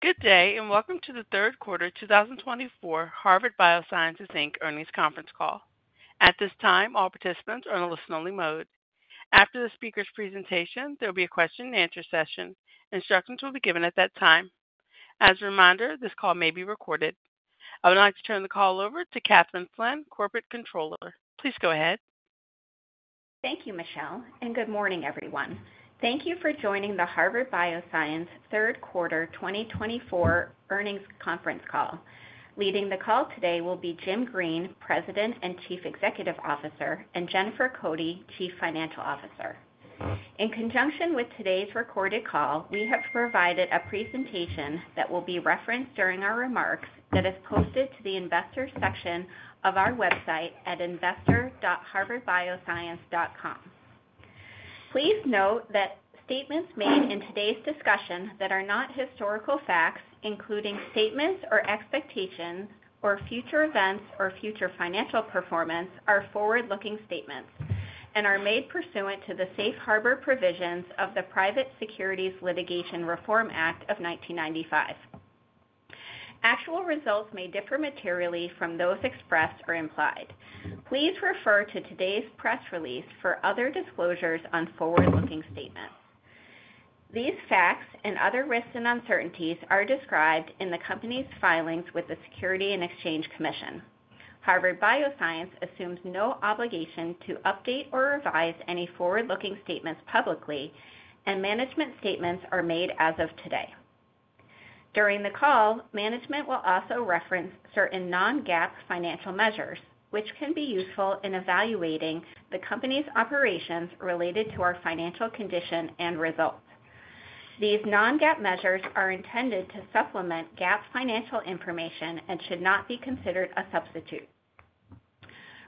Good day, and welcome to the third quarter 2024 Harvard Bioscience, Inc. Earnings Conference Call. At this time, all participants are in a listen-only mode. After the speaker's presentation, there will be a question-and-answer session. Instructions will be given at that time. As a reminder, this call may be recorded. I would like to turn the call over to Kathryn Flynn, Corporate Controller. Please go ahead. Thank you, Michelle, and good morning, everyone. Thank you for joining the Harvard Bioscience third quarter 2024 Earnings Conference Call. Leading the call today will be Jim Green, President and Chief Executive Officer, and Jennifer Cote, Chief Financial Officer. In conjunction with today's recorded call, we have provided a presentation that will be referenced during our remarks that is posted to the Investor section of our website at investor.harvardbioscience.com. Please note that statements made in today's discussion that are not historical facts, including statements or expectations or future events or future financial performance, are forward-looking statements and are made pursuant to the safe harbor provisions of the Private Securities Litigation Reform Act of 1995. Actual results may differ materially from those expressed or implied. Please refer to today's press release for other disclosures on forward-looking statements. These facts and other risks and uncertainties are described in the company's filings with the Securities and Exchange Commission. Harvard Bioscience assumes no obligation to update or revise any forward-looking statements publicly, and management statements are made as of today. During the call, management will also reference certain non-GAAP financial measures, which can be useful in evaluating the company's operations related to our financial condition and results. These non-GAAP measures are intended to supplement GAAP financial information and should not be considered a substitute.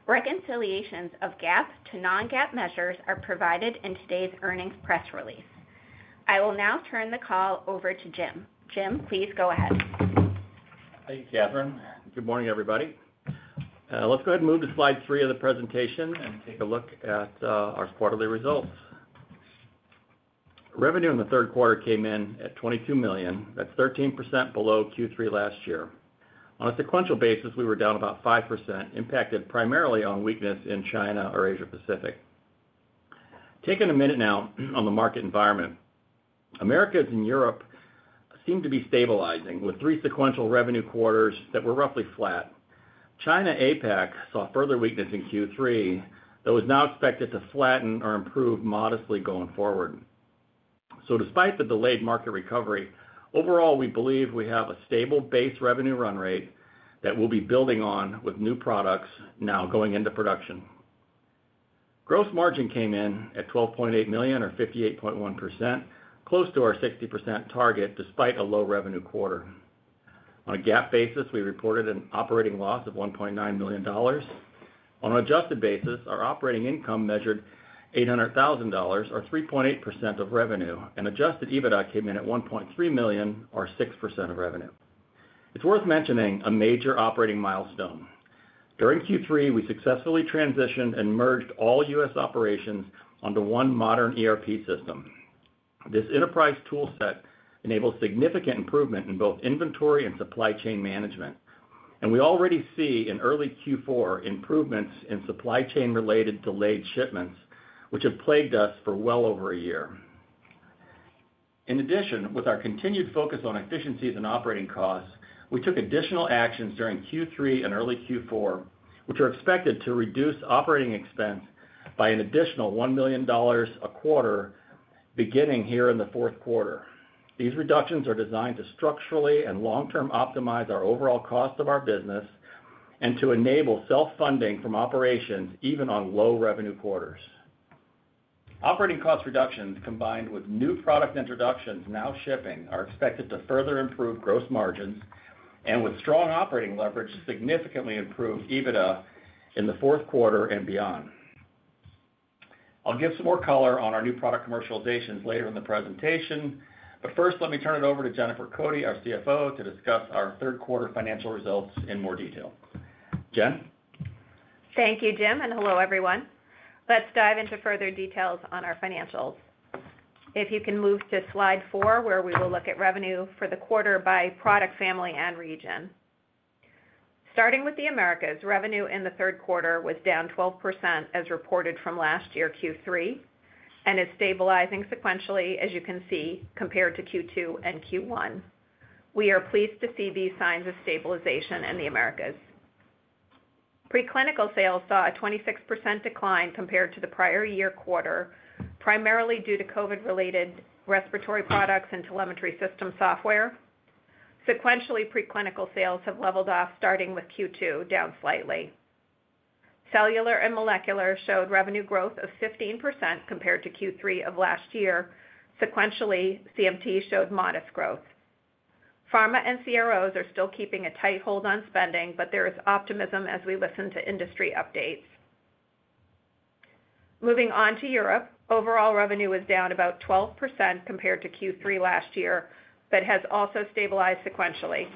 Reconciliations of GAAP to non-GAAP measures are provided in today's earnings press release. I will now turn the call over to Jim. Jim, please go ahead. Thank you, Kathryn. Good morning, everybody. Let's go ahead and move to slide three of the presentation and take a look at our quarterly results. Revenue in the third quarter came in at $22 million. That's 13% below Q3 last year. On a sequential basis, we were down about 5%, impacted primarily on weakness in China or Asia Pacific. Taking a minute now on the market environment, America and Europe seem to be stabilizing with three sequential revenue quarters that were roughly flat. China APAC saw further weakness in Q3, though is now expected to flatten or improve modestly going forward. So despite the delayed market recovery, overall, we believe we have a stable base revenue run rate that we'll be building on with new products now going into production. Gross margin came in at $12.8 million, or 58.1%, close to our 60% target despite a low revenue quarter. On a GAAP basis, we reported an operating loss of $1.9 million. On an adjusted basis, our operating income measured $800,000, or 3.8% of revenue, and Adjusted EBITDA came in at $1.3 million, or 6% of revenue. It's worth mentioning a major operating milestone. During Q3, we successfully transitioned and merged all U.S. operations onto one modern ERP system. This enterprise toolset enables significant improvement in both inventory and supply chain management, and we already see in early Q4 improvements in supply chain-related delayed shipments, which have plagued us for well over a year. In addition, with our continued focus on efficiencies and operating costs, we took additional actions during Q3 and early Q4, which are expected to reduce operating expense by an additional $1 million a quarter beginning here in the fourth quarter. These reductions are designed to structurally and long-term optimize our overall cost of our business and to enable self-funding from operations even on low revenue quarters. Operating cost reductions combined with new product introductions now shipping are expected to further improve gross margins and, with strong operating leverage, significantly improve EBITDA in the fourth quarter and beyond. I'll give some more color on our new product commercialization later in the presentation, but first, let me turn it over to Jennifer Cote, our CFO, to discuss our third quarter financial results in more detail. Jen? Thank you, Jim. And hello, everyone. Let's dive into further details on our financials. If you can move to slide four, where we will look at revenue for the quarter by product family and region. Starting with the Americas, revenue in the third quarter was down 12% as reported from last year Q3 and is stabilizing sequentially, as you can see, compared to Q2 and Q1. We are pleased to see these signs of stabilization in the Americas. Preclinical sales saw a 26% decline compared to the prior year quarter, primarily due to COVID-related respiratory products and telemetry system software. Sequentially, preclinical sales have leveled off, starting with Q2, down slightly. Cellular and molecular showed revenue growth of 15% compared to Q3 of last year. Sequentially, CMT showed modest growth. Pharma and CROs are still keeping a tight hold on spending, but there is optimism as we listen to industry updates. Moving on to Europe, overall revenue was down about 12% compared to Q3 last year but has also stabilized sequentially.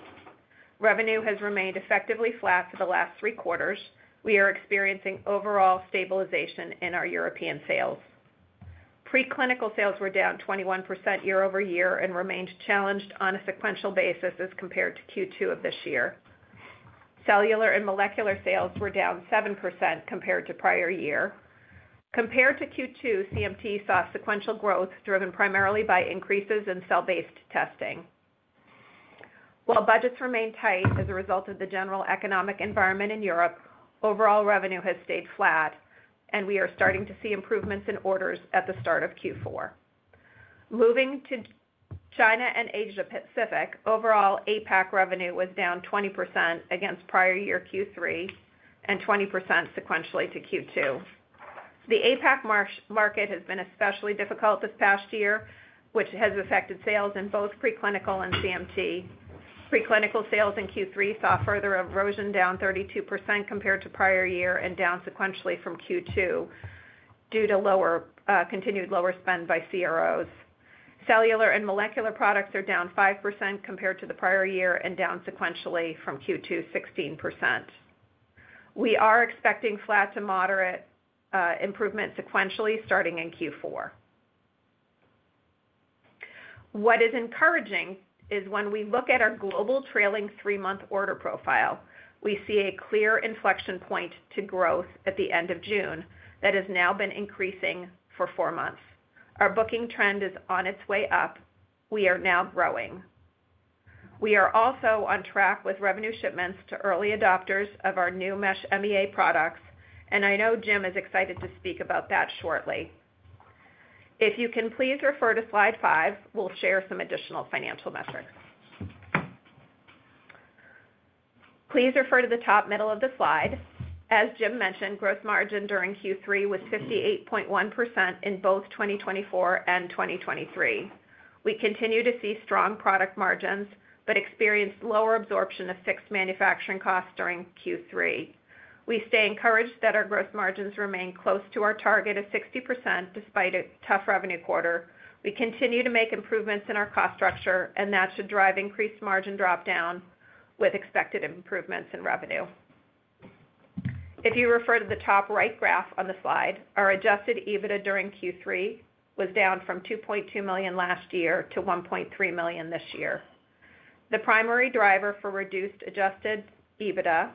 Revenue has remained effectively flat for the last three quarters. We are experiencing overall stabilization in our European sales. Preclinical sales were down 21% year over year and remained challenged on a sequential basis as compared to Q2 of this year. Cellular and molecular sales were down 7% compared to prior year. Compared to Q2, CMT saw sequential growth driven primarily by increases in cell-based testing. While budgets remain tight as a result of the general economic environment in Europe, overall revenue has stayed flat, and we are starting to see improvements in orders at the start of Q4. Moving to China and Asia Pacific, overall APAC revenue was down 20% against prior year Q3 and 20% sequentially to Q2. The APAC market has been especially difficult this past year, which has affected sales in both preclinical and CMT. Preclinical sales in Q3 saw further erosion, down 32% compared to prior year and down sequentially from Q2 due to continued lower spend by CROs. Cellular and molecular products are down 5% compared to the prior year and down sequentially from Q2, 16%. We are expecting flat to moderate improvement sequentially starting in Q4. What is encouraging is when we look at our global trailing three-month order profile, we see a clear inflection point to growth at the end of June that has now been increasing for four months. Our booking trend is on its way up. We are now growing. We are also on track with revenue shipments to early adopters of our new Mesh MEA products, and I know Jim is excited to speak about that shortly. If you can please refer to slide five, we'll share some additional financial metrics. Please refer to the top middle of the slide. As Jim mentioned, gross margin during Q3 was 58.1% in both 2024 and 2023. We continue to see strong product margins but experience lower absorption of fixed manufacturing costs during Q3. We stay encouraged that our gross margins remain close to our target of 60% despite a tough revenue quarter. We continue to make improvements in our cost structure, and that should drive increased margin dropdown with expected improvements in revenue. If you refer to the top right graph on the slide, our Adjusted EBITDA during Q3 was down from $2.2 million last year to $1.3 million this year. The primary driver for reduced Adjusted EBITDA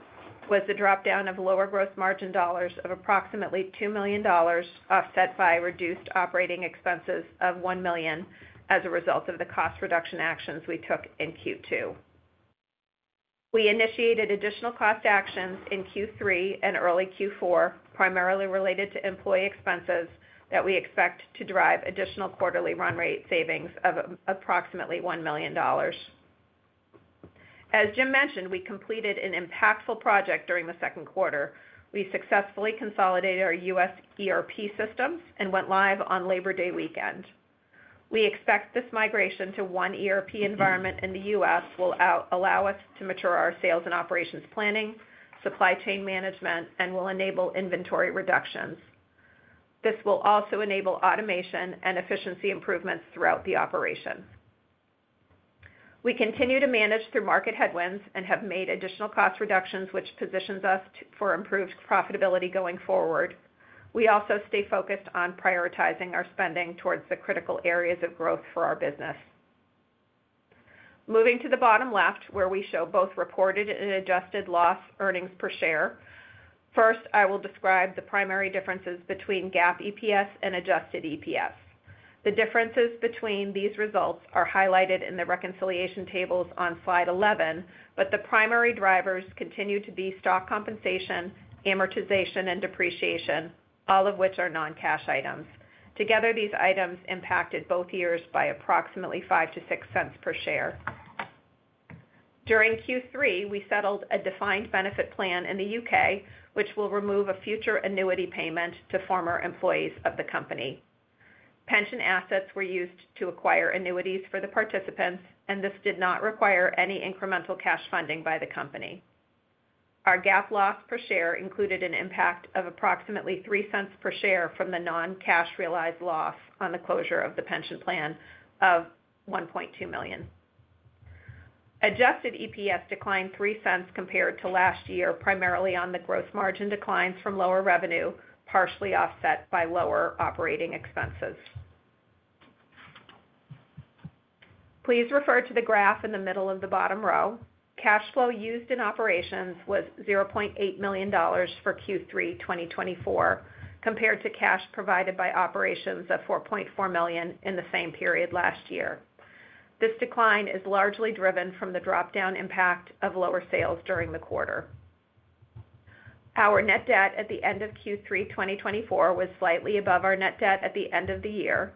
was the dropdown of lower gross margin dollars of approximately $2 million, offset by reduced operating expenses of $1 million as a result of the cost reduction actions we took in Q2. We initiated additional cost actions in Q3 and early Q4, primarily related to employee expenses that we expect to drive additional quarterly run rate savings of approximately $1 million. As Jim mentioned, we completed an impactful project during the second quarter. We successfully consolidated our U.S. ERP systems and went live on Labor Day weekend. We expect this migration to one ERP environment in the U.S. will allow us to mature our sales and operations planning, supply chain management, and will enable inventory reductions. This will also enable automation and efficiency improvements throughout the operation. We continue to manage through market headwinds and have made additional cost reductions, which positions us for improved profitability going forward. We also stay focused on prioritizing our spending towards the critical areas of growth for our business. Moving to the bottom left, where we show both reported and adjusted loss earnings per share. First, I will describe the primary differences between GAAP EPS and adjusted EPS. The differences between these results are highlighted in the reconciliation tables on slide 11, but the primary drivers continue to be stock compensation, amortization, and depreciation, all of which are non-cash items. Together, these items impacted both years by approximately $0.05-$0.06 per share. During Q3, we settled a defined benefit plan in the U.K., which will remove a future annuity payment to former employees of the company. Pension assets were used to acquire annuities for the participants, and this did not require any incremental cash funding by the company. Our GAAP loss per share included an impact of approximately three cents per share from the non-cash realized loss on the closure of the pension plan of $1.2 million. Adjusted EPS declined three cents compared to last year, primarily on the gross margin declines from lower revenue, partially offset by lower operating expenses. Please refer to the graph in the middle of the bottom row. Cash flow used in operations was $0.8 million for Q3 2024, compared to cash provided by operations of $4.4 million in the same period last year. This decline is largely driven from the drop-down impact of lower sales during the quarter. Our net debt at the end of Q3 2024 was slightly above our net debt at the end of the year.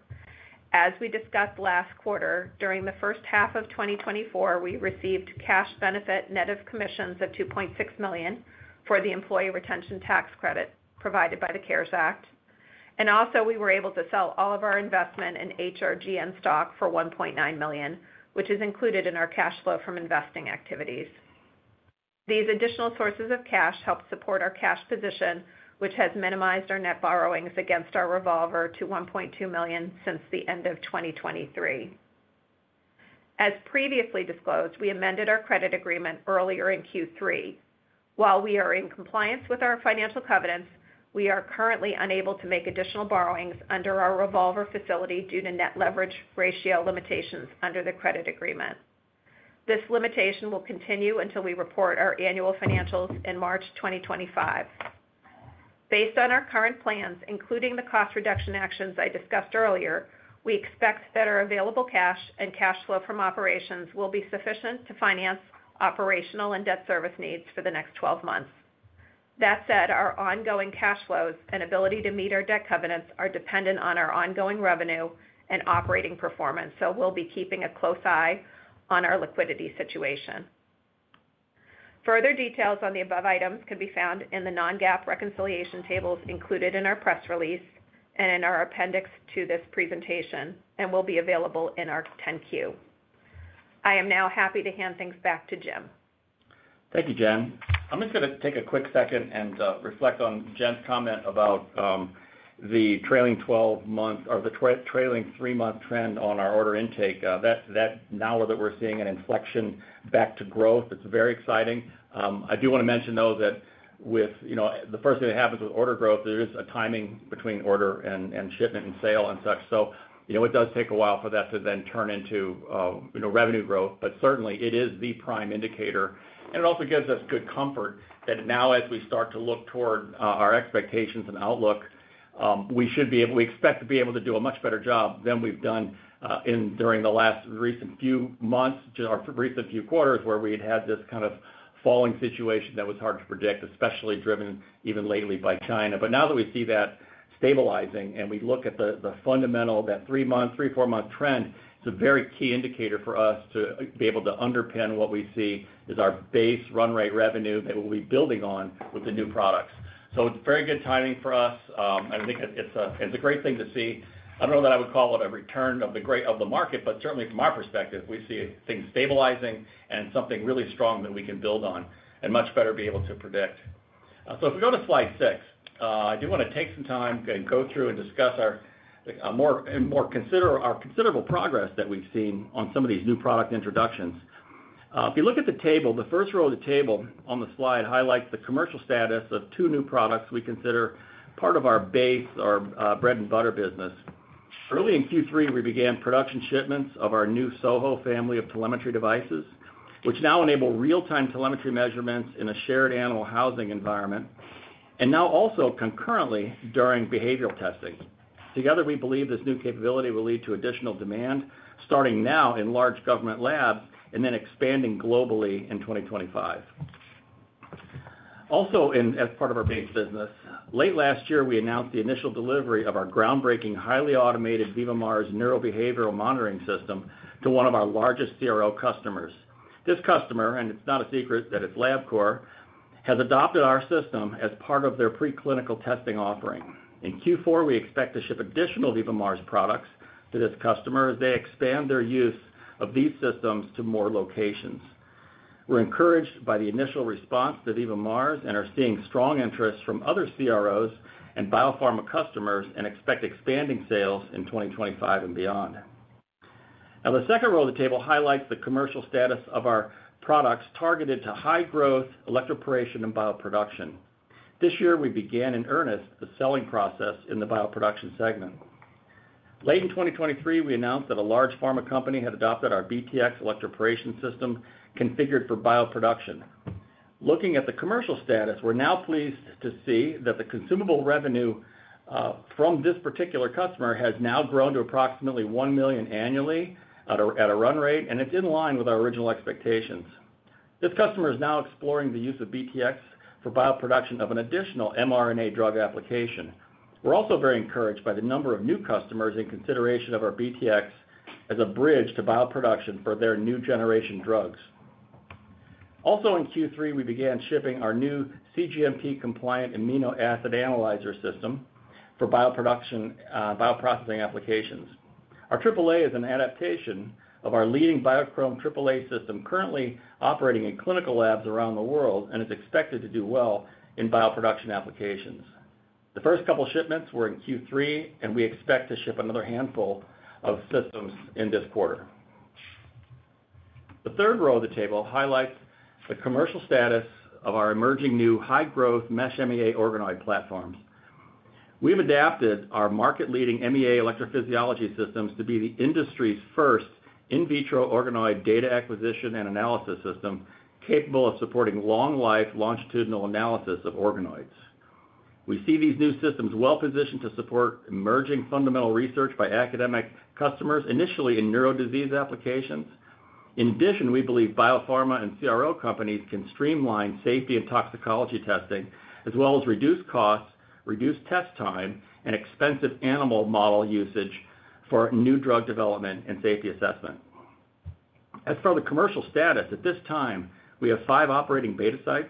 As we discussed last quarter, during the first half of 2024, we received cash benefit net of commissions of $2.6 million for the employee retention tax credit provided by the CARES Act, and also, we were able to sell all of our investment in HRGN stock for $1.9 million, which is included in our cash flow from investing activities. These additional sources of cash help support our cash position, which has minimized our net borrowings against our revolver to $1.2 million since the end of 2023. As previously disclosed, we amended our credit agreement earlier in Q3. While we are in compliance with our financial covenants, we are currently unable to make additional borrowings under our revolver facility due to net leverage ratio limitations under the credit agreement. This limitation will continue until we report our annual financials in March 2025. Based on our current plans, including the cost reduction actions I discussed earlier, we expect that our available cash and cash flow from operations will be sufficient to finance operational and debt service needs for the next 12 months. That said, our ongoing cash flows and ability to meet our debt covenants are dependent on our ongoing revenue and operating performance, so we'll be keeping a close eye on our liquidity situation. Further details on the above items can be found in the non-GAAP reconciliation tables included in our press release and in our appendix to this presentation and will be available in our 10-Q. I am now happy to hand things back to Jim. Thank you, Jen. I'm just going to take a quick second and reflect on Jen's comment about the trailing 12-month or the trailing three-month trend on our order intake. That, now that we're seeing an inflection back to growth, it's very exciting. I do want to mention, though, that with the first thing that happens with order growth, there is a timing between order and shipment and sale and such. So it does take a while for that to then turn into revenue growth, but certainly, it is the prime indicator. And it also gives us good comfort that now, as we start to look toward our expectations and outlook, we should be able, we expect to be able to do a much better job than we've done during the last recent few months, just our recent few quarters, where we had had this kind of falling situation that was hard to predict, especially driven even lately by China. But now that we see that stabilizing and we look at the fundamental, that three-month, three- to four-month trend, it's a very key indicator for us to be able to underpin what we see as our base run rate revenue that we'll be building on with the new products. So it's very good timing for us. And I think it's a great thing to see. I don't know that I would call it a return of the market, but certainly, from our perspective, we see things stabilizing and something really strong that we can build on and much better be able to predict. So if we go to slide six, I do want to take some time and go through and discuss our more considerable progress that we've seen on some of these new product introductions. If you look at the table, the first row of the table on the slide highlights the commercial status of two new products we consider part of our base, our bread-and-butter business. Early in Q3, we began production shipments of our new SoHo family of telemetry devices, which now enable real-time telemetry measurements in a shared animal housing environment and now also concurrently during behavioral testing. Together, we believe this new capability will lead to additional demand starting now in large government labs and then expanding globally in 2025. Also, as part of our base business, late last year, we announced the initial delivery of our groundbreaking highly automated VivoMARS neurobehavioral monitoring system to one of our largest CRO customers. This customer, and it's not a secret that it's Labcorp, has adopted our system as part of their preclinical testing offering. In Q4, we expect to ship additional VivoMARS products to this customer as they expand their use of these systems to more locations. We're encouraged by the initial response to VivoMARS and are seeing strong interest from other CROs and biopharma customers and expect expanding sales in 2025 and beyond. Now, the second row of the table highlights the commercial status of our products targeted to high-growth electroporation and bioproduction. This year, we began in earnest the selling process in the bioproduction segment. Late in 2023, we announced that a large pharma company had adopted our BTX electroporation system configured for bioproduction. Looking at the commercial status, we're now pleased to see that the consumable revenue from this particular customer has now grown to approximately $1 million annually at a run rate, and it's in line with our original expectations. This customer is now exploring the use of BTX for bioproduction of an additional mRNA drug application. We're also very encouraged by the number of new customers in consideration of our BTX as a bridge to bioproduction for their new generation drugs. Also, in Q3, we began shipping our new cGMP-compliant amino acid analyzer system for bioproduction bioprocessing applications. Our AAA is an adaptation of our leading Biochrom AAA system, currently operating in clinical labs around the world and is expected to do well in bioproduction applications. The first couple of shipments were in Q3, and we expect to ship another handful of systems in this quarter. The third row of the table highlights the commercial status of our emerging new high-growth Mesh MEA organoid platforms. We've adapted our market-leading MEA electrophysiology systems to be the industry's first in vitro organoid data acquisition and analysis system capable of supporting longitudinal analysis of organoids. We see these new systems well-positioned to support emerging fundamental research by academic customers, initially in neuro disease applications. In addition, we believe biopharma and CRO companies can streamline safety and toxicology testing, as well as reduce costs, reduce test time, and expensive animal model usage for new drug development and safety assessment. As for the commercial status, at this time, we have five operating beta sites,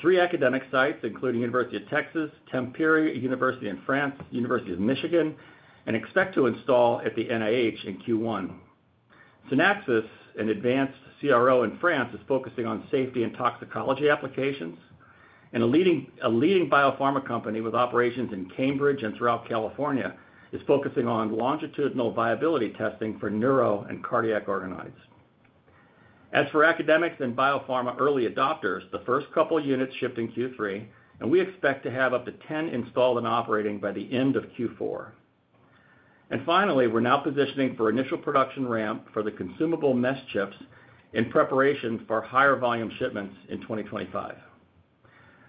three academic sites, including University of Texas, Tampere University in France, University of Michigan, and expect to install at the NIH in Q1. Synapsis, an advanced CRO in France, is focusing on safety and toxicology applications, and a leading biopharma company with operations in Cambridge and throughout California is focusing on longitudinal viability testing for neuro and cardiac organoids. As for academics and biopharma early adopters, the first couple of units shipped in Q3, and we expect to have up to 10 installed and operating by the end of Q4. And finally, we're now positioning for initial production ramp for the consumable mesh chips in preparation for higher volume shipments in 2025.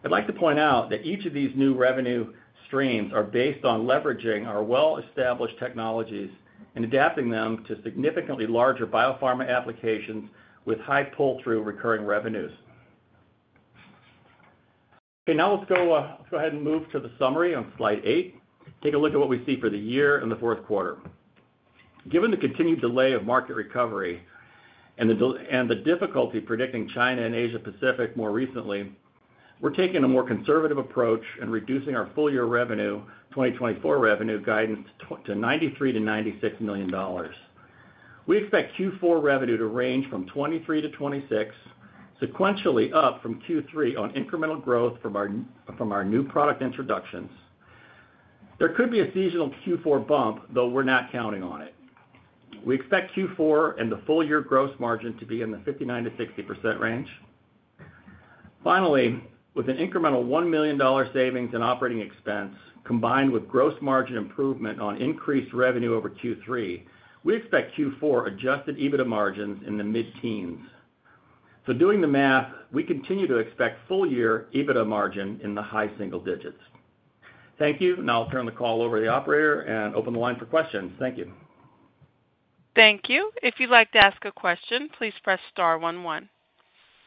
I'd like to point out that each of these new revenue streams are based on leveraging our well-established technologies and adapting them to significantly larger biopharma applications with high pull-through recurring revenues. Okay, now let's go ahead and move to the summary on slide eight. Take a look at what we see for the year and the fourth quarter. Given the continued delay of market recovery and the difficulty predicting China and Asia-Pacific more recently, we're taking a more conservative approach and reducing our full-year revenue, 2024 revenue guidance, to $93-$96 million. We expect Q4 revenue to range from $23-$26, sequentially up from Q3 on incremental growth from our new product introductions. There could be a seasonal Q4 bump, though we're not counting on it. We expect Q4 and the full-year gross margin to be in the 59%-60% range. Finally, with an incremental $1 million savings in operating expense combined with gross margin improvement on increased revenue over Q3, we expect Q4 Adjusted EBITDA margins in the mid-teens. So doing the math, we continue to expect full-year EBITDA margin in the high single digits. Thank you, and I'll turn the call over to the operator and open the line for questions. Thank you. Thank you. If you'd like to ask a question, please press star one one.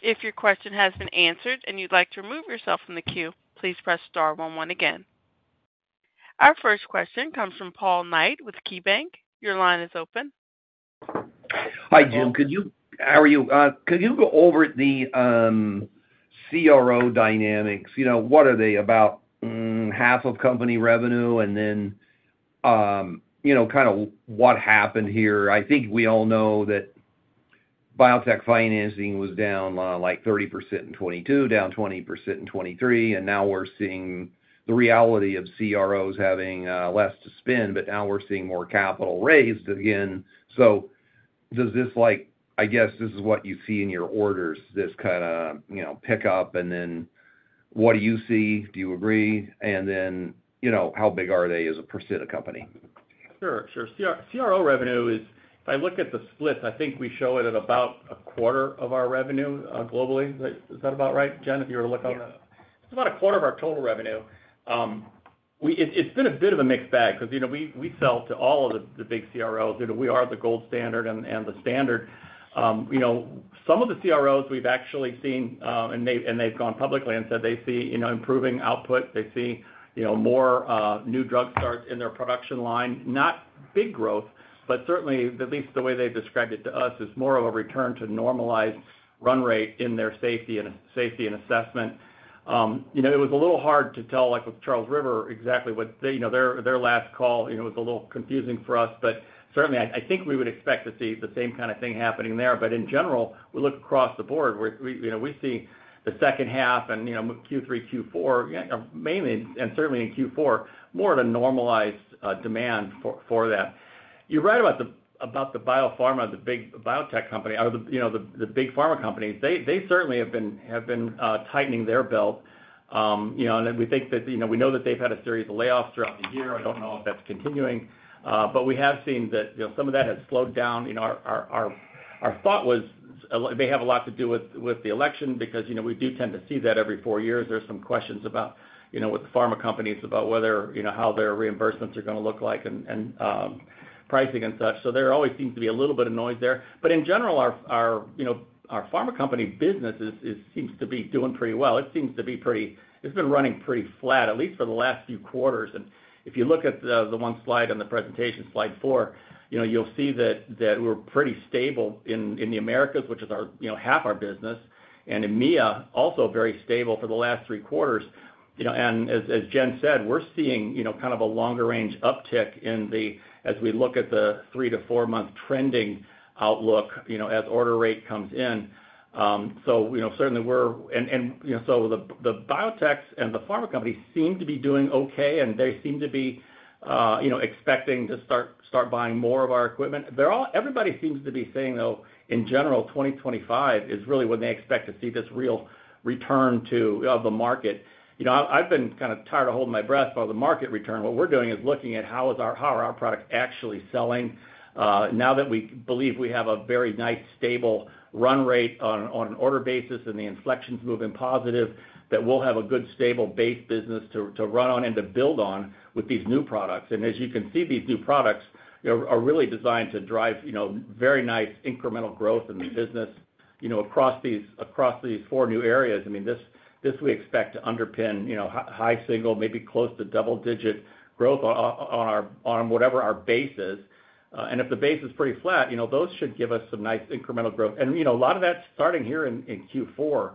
If your question has been answered and you'd like to remove yourself from the queue, please press star one one again. Our first question comes from Paul Knight with KeyBanc. Your line is open. Hi, Jim. How are you? Could you go over the CRO dynamics? What are they? About half of company revenue and then kind of what happened here? I think we all know that biotech financing was down like 30% in 2022, down 20% in 2023, and now we're seeing the reality of CROs having less to spend, but now we're seeing more capital raised again. So does this, I guess, this is what you see in your orders, this kind of pickup, and then what do you see? Do you agree? And then how big are they as a percent of company? Sure. Sure. CRO revenue, if I look at the split, I think we show it at about a quarter of our revenue globally. Is that about right, Jen, if you were to look at it? Yeah. It's about a quarter of our total revenue. It's been a bit of a mixed bag because we sell to all of the big CROs. We are the gold standard and the standard. Some of the CROs we've actually seen, and they've gone publicly and said they see improving output. They see more new drug starts in their production line. Not big growth, but certainly, at least the way they described it to us, is more of a return to normalized run rate in their safety and assessment. It was a little hard to tell with Charles River exactly what their last call was, a little confusing for us, but certainly, I think we would expect to see the same kind of thing happening there. But in general, we look across the board. We see the second half and Q3, Q4, mainly, and certainly in Q4, more of a normalized demand for that. You're right about the biopharma, the big biotech company or the big pharma companies. They certainly have been tightening their belt. And we think that we know that they've had a series of layoffs throughout the year. I don't know if that's continuing, but we have seen that some of that has slowed down. Our thought was they have a lot to do with the election because we do tend to see that every four years. There's some questions about what the pharma companies about whether how their reimbursements are going to look like and pricing and such. So there always seems to be a little bit of noise there. But in general, our pharma company business seems to be doing pretty well. It seems to be pretty. It's been running pretty flat, at least for the last few quarters. And if you look at the one slide on the presentation, slide four, you'll see that we're pretty stable in the Americas, which is half our business, and EMEA also very stable for the last three quarters. And as Jen said, we're seeing kind of a longer-range uptick as we look at the three to four-month trending outlook as order rate comes in. So certainly, we're, and so the biotechs and the pharma companies seem to be doing okay, and they seem to be expecting to start buying more of our equipment. Everybody seems to be saying, though, in general, 2025 is really when they expect to see this real return of the market. I've been kind of tired of holding my breath for the market return. What we're doing is looking at how are our products actually selling. Now that we believe we have a very nice stable run rate on an order basis and the inflections moving positive, that we'll have a good stable base business to run on and to build on with these new products. And as you can see, these new products are really designed to drive very nice incremental growth in the business across these four new areas. I mean, this we expect to underpin high single, maybe close to double-digit growth on whatever our base is. And if the base is pretty flat, those should give us some nice incremental growth. And a lot of that's starting here in Q4.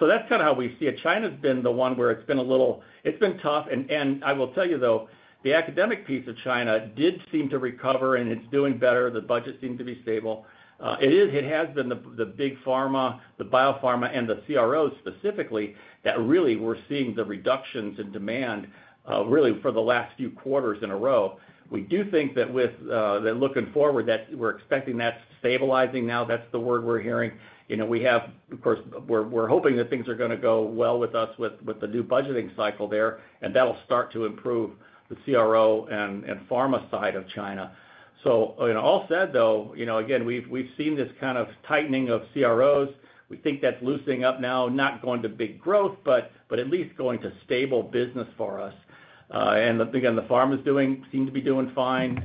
So that's kind of how we see it. China's been the one where it's been a little, it's been tough. I will tell you, though, the academic piece of China did seem to recover, and it's doing better. The budget seemed to be stable. It has been the big pharma, the biopharma, and the CROs specifically that really we're seeing the reductions in demand really for the last few quarters in a row. We do think that looking forward, that we're expecting that's stabilizing now. That's the word we're hearing. We have, of course, we're hoping that things are going to go well with us with the new budgeting cycle there, and that'll start to improve the CRO and pharma side of China. All said, though, again, we've seen this kind of tightening of CROs. We think that's loosening up now, not going to big growth, but at least going to stable business for us. Again, the PharmaS seem to be doing fine.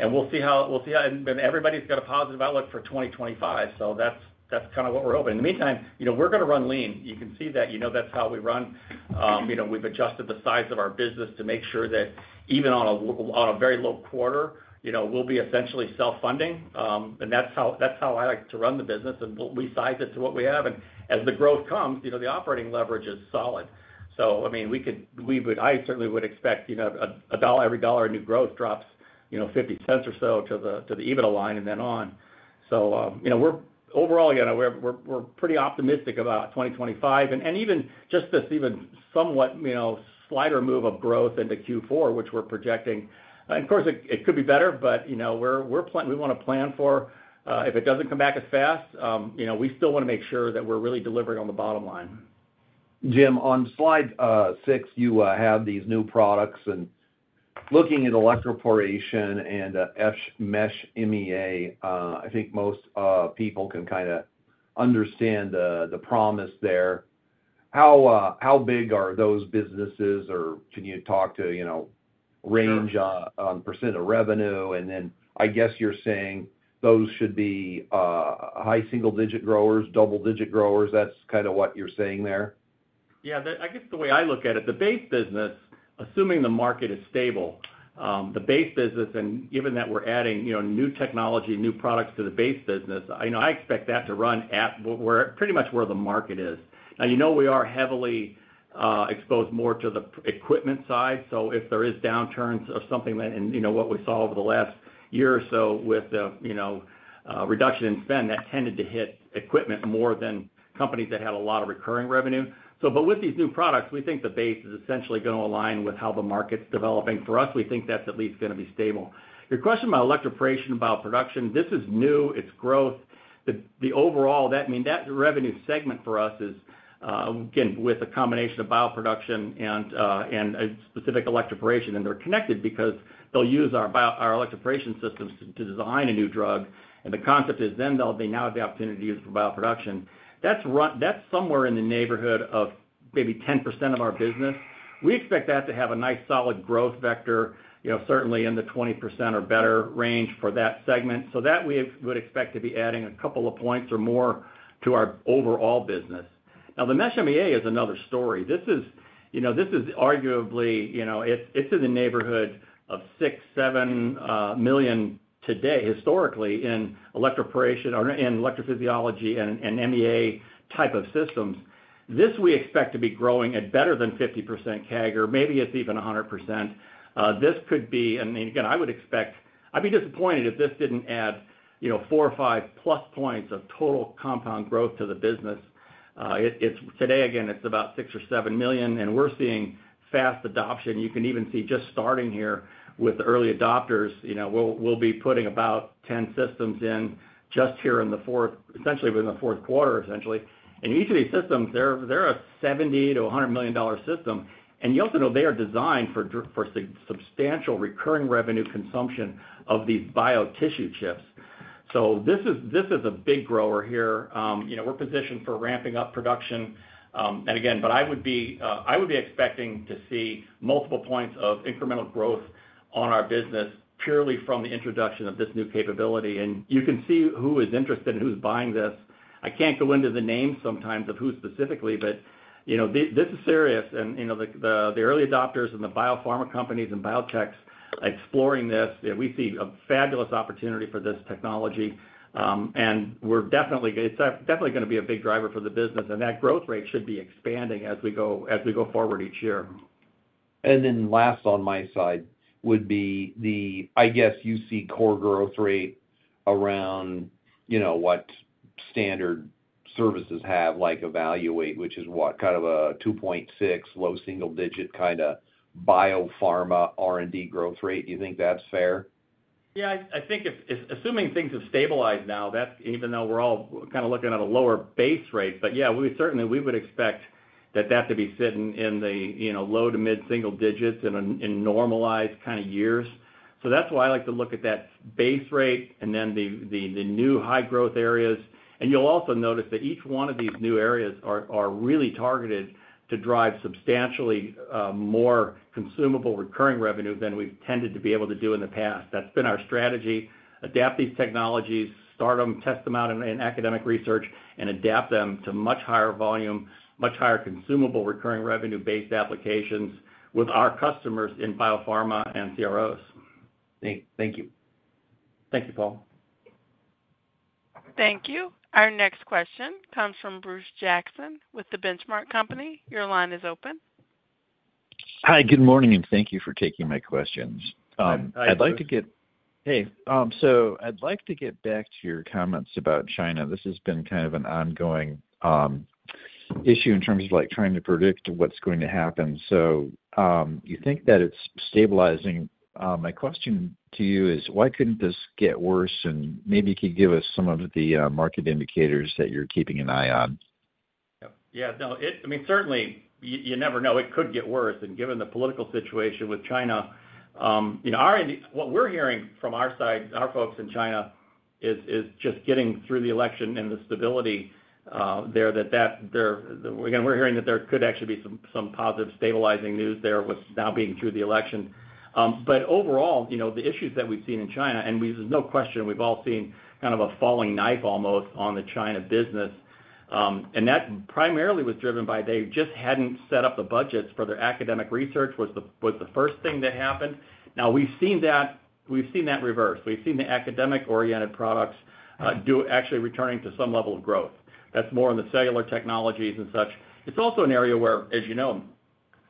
We'll see how, and everybody's got a positive outlook for 2025. So that's kind of what we're hoping. In the meantime, we're going to run lean. You can see that. You know that's how we run. We've adjusted the size of our business to make sure that even on a very low quarter, we'll be essentially self-funding. And that's how I like to run the business, and we size it to what we have. And as the growth comes, the operating leverage is solid. So I mean, I certainly would expect every dollar in new growth drops $0.50 or so to the EBITDA line and then on. So overall, we're pretty optimistic about 2025. And even just this even somewhat slider move of growth into Q4, which we're projecting. And of course, it could be better, but we want to plan for if it doesn't come back as fast. We still want to make sure that we're really delivering on the bottom line. Jim, on slide six, you have these new products and looking at electroporation and Mesh MEA. I think most people can kind of understand the promise there. How big are those businesses, or can you talk to range on percent of revenue? And then I guess you're saying those should be high single-digit growers, double-digit growers. That's kind of what you're saying there? Yeah. I guess the way I look at it, the base business, assuming the market is stable, the base business, and given that we're adding new technology, new products to the base business, I expect that to run at pretty much where the market is. Now, we are heavily exposed more to the equipment side. So if there is downturns or something that, and what we saw over the last year or so with the reduction in spend, that tended to hit equipment more than companies that had a lot of recurring revenue. But with these new products, we think the base is essentially going to align with how the market's developing. For us, we think that's at least going to be stable. Your question about electroporation, about production, this is new. It's growth. I mean, that revenue segment for us is, again, with a combination of bioproduction and specific electroporation, and they're connected because they'll use our electroporation systems to design a new drug. And the concept is then they'll now have the opportunity to use it for bioproduction. That's somewhere in the neighborhood of maybe 10% of our business. We expect that to have a nice solid growth vector, certainly in the 20% or better range for that segment. So that we would expect to be adding a couple of points or more to our overall business. Now, the Mesh MEA is another story. This is arguably. It's in the neighborhood of $6-7 million today, historically, in electroporation or in electrophysiology and MEA type of systems. This we expect to be growing at better than 50% CAGR. Maybe it's even 100%. This could be, and again, I would expect. I'd be disappointed if this didn't add four or five plus points of total compound growth to the business. Today, again, it's about six or seven million, and we're seeing fast adoption. You can even see just starting here with the early adopters. We'll be putting about 10 systems in just here in the fourth quarter, essentially. And each of these systems, they're a $70-$100 million system. And you also know they are designed for substantial recurring revenue consumption of these bio tissue chips. So this is a big grower here. We're positioned for ramping up production. And again, but I would be expecting to see multiple points of incremental growth on our business purely from the introduction of this new capability. And you can see who is interested and who's buying this. I can't go into the names sometimes of who specifically, but this is serious. And the early adopters and the biopharma companies and biotechs exploring this, we see a fabulous opportunity for this technology. And it's definitely going to be a big driver for the business. And that growth rate should be expanding as we go forward each year. Last on my side would be the, I guess, you see, core growth rate around what standard services have like evaluate, which is what? Kind of a 2-6 low single digit kind of biopharma R&D growth rate. Do you think that's fair? Yeah. I think assuming things have stabilized now, even though we're all kind of looking at a lower base rate, but yeah, certainly we would expect that to be sitting in the low to mid single digits in normalized kind of years, so that's why I like to look at that base rate and then the new high growth areas, and you'll also notice that each one of these new areas are really targeted to drive substantially more consumable recurring revenue than we've tended to be able to do in the past. That's been our strategy. Adapt these technologies, start them, test them out in academic research, and adapt them to much higher volume, much higher consumable recurring revenue-based applications with our customers in biopharma and CROs. Thank you. Thank you, Paul. Thank you. Our next question comes from Bruce Jackson with The Benchmark Company. Your line is open. Hi, good morning, and thank you for taking my questions. Hi. I'd like to get back to your comments about China. This has been kind of an ongoing issue in terms of trying to predict what's going to happen. So you think that it's stabilizing? My question to you is, why couldn't this get worse? And maybe you could give us some of the market indicators that you're keeping an eye on. Yeah. No, I mean, certainly, you never know. It could get worse, and given the political situation with China, what we're hearing from our side, our folks in China, is just getting through the election and the stability there that we're hearing that there could actually be some positive stabilizing news there with now being through the election, but overall, the issues that we've seen in China, and there's no question we've all seen kind of a falling knife almost on the China business, and that primarily was driven by they just hadn't set up the budgets for their academic research was the first thing that happened. Now, we've seen that reverse. We've seen the academic-oriented products actually returning to some level of growth. That's more in the cellular technologies and such. It's also an area where, as you know,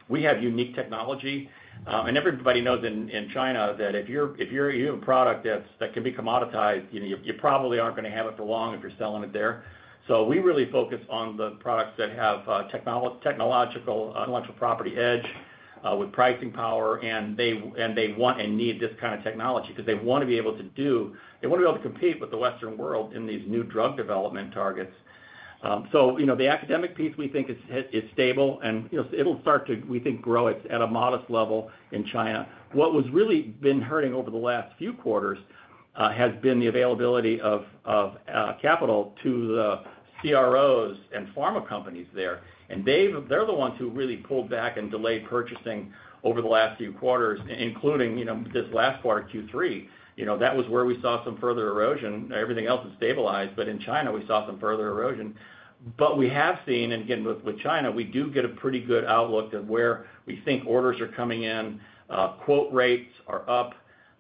we have unique technology. Everybody knows in China that if you have a product that can be commoditized, you probably aren't going to have it for long if you're selling it there. So we really focus on the products that have technological intellectual property edge with pricing power. And they want and need this kind of technology because they want to be able to do, they want to be able to compete with the Western world in these new drug development targets. So the academic piece, we think, is stable. And it'll start to, we think, grow at a modest level in China. What was really been hurting over the last few quarters has been the availability of capital to the CROs and pharma companies there. And they're the ones who really pulled back and delayed purchasing over the last few quarters, including this last quarter, Q3. That was where we saw some further erosion. Everything else has stabilized, but in China, we saw some further erosion, but we have seen, and again, with China, we do get a pretty good outlook of where we think orders are coming in. Quote rates are up,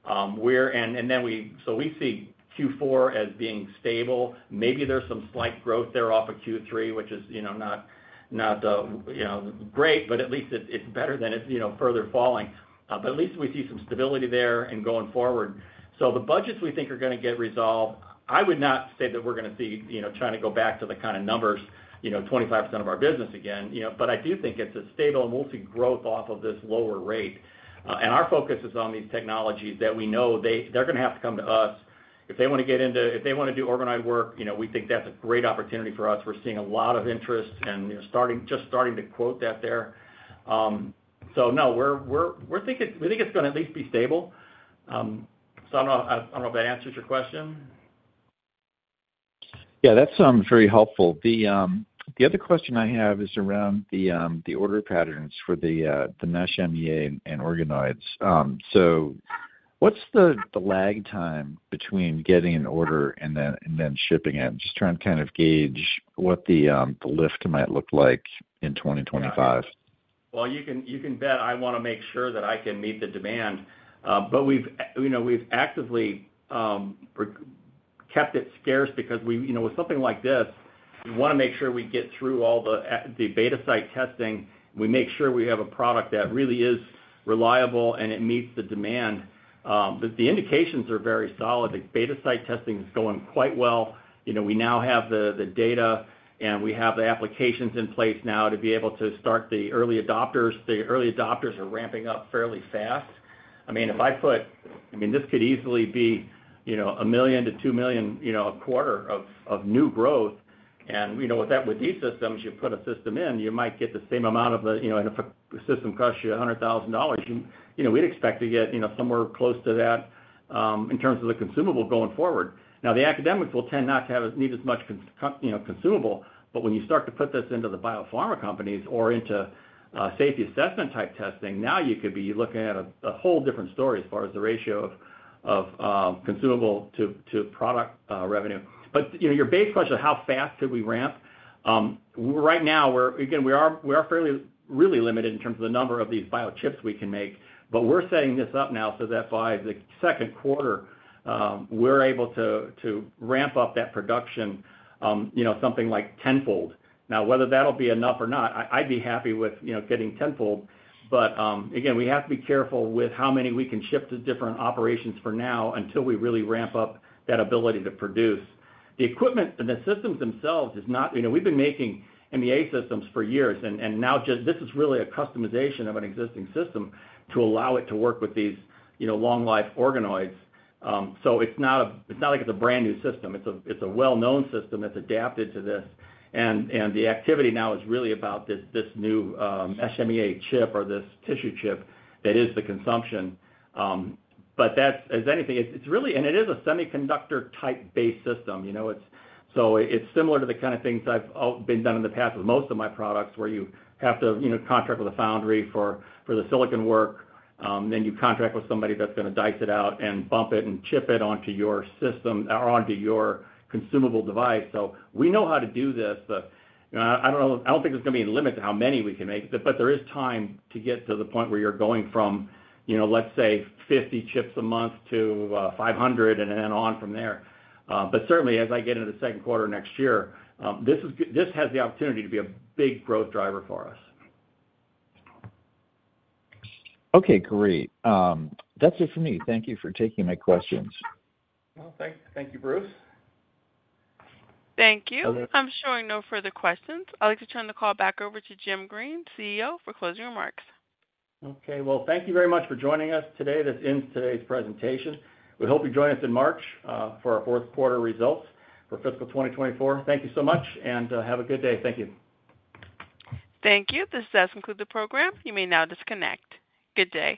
and then so we see Q4 as being stable. Maybe there's some slight growth there off of Q3, which is not great, but at least it's better than it's further falling, but at least we see some stability there and going forward, so the budgets we think are going to get resolved. I would not say that we're going to see China go back to the kind of numbers, 25% of our business again, but I do think it's a stable multi-growth off of this lower rate. Our focus is on these technologies that we know they're going to have to come to us. If they want to do organoid work, we think that's a great opportunity for us. We're seeing a lot of interest and just starting to quote that there. So no, we think it's going to at least be stable. So I don't know if that answers your question. Yeah, that sounds very helpful. The other question I have is around the order patterns for the Mesh MEA and organoids. So what's the lag time between getting an order and then shipping it? Just trying to kind of gauge what the lift might look like in 2025. You can bet I want to make sure that I can meet the demand. We've actively kept it scarce because with something like this, we want to make sure we get through all the beta site testing. We make sure we have a product that really is reliable and it meets the demand. The indications are very solid. The beta site testing is going quite well. We now have the data, and we have the applications in place now to be able to start the early adopters. The early adopters are ramping up fairly fast. I mean, this could easily be $1 million-$2 million a quarter of new growth. With these systems, you put a system in, you might get the same amount of the and if a system costs you $100,000, we'd expect to get somewhere close to that in terms of the consumable going forward. Now, the academics will tend not to need as much consumable. But when you start to put this into the biopharma companies or into safety assessment type testing, now you could be looking at a whole different story as far as the ratio of consumable to product revenue. But your base question of how fast could we ramp? Right now, again, we are fairly really limited in terms of the number of these biochips we can make. But we're setting this up now so that by the second quarter, we're able to ramp up that production, something like tenfold. Now, whether that'll be enough or not, I'd be happy with getting tenfold. But again, we have to be careful with how many we can ship to different operations for now until we really ramp up that ability to produce. The equipment and the systems themselves is not. We've been making MEA systems for years. And now this is really a customization of an existing system to allow it to work with these long-life organoids. So it's not like it's a brand new system. It's a well-known system that's adapted to this. And the activity now is really about this new Mesh MEA chip or this tissue chip that is the consumption. But as anything, it's really, and it is a semiconductor type-based system. So it's similar to the kind of things I've been done in the past with most of my products where you have to contract with a foundry for the silicon work. Then you contract with somebody that's going to dice it out and bump it and chip it onto your system or onto your consumable device, so we know how to do this. I don't think there's going to be any limit to how many we can make, but there is time to get to the point where you're going from, let's say, 50 chips a month to 500 and then on from there, but certainly, as I get into the second quarter next year, this has the opportunity to be a big growth driver for us. Okay, great. That's it for me. Thank you for taking my questions. Thank you, Bruce. Thank you. I'm showing no further questions. I'd like to turn the call back over to Jim Green, CEO, for closing remarks. Okay. Well, thank you very much for joining us today. This ends today's presentation. We hope you join us in March for our fourth quarter results for fiscal 2024. Thank you so much. And have a good day. Thank you. Thank you. This does conclude the program. You may now disconnect. Good day.